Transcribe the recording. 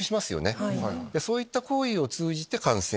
そういった行為を通じて。